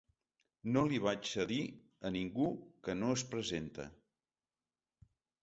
No li vaig a dir a ningú que no es presente.